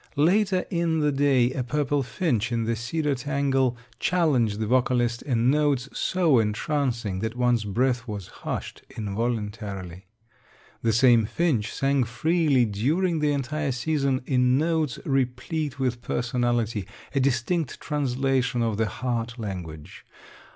Later in the day a purple finch in the cedar tangle challenged the vocalist in notes so entrancing that one's breath was hushed involuntarily. The same finch sang freely during the entire season in notes replete with personality, a distinct translation of the heart language.